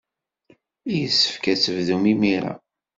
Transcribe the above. Yessefk ad tebdum imir-a.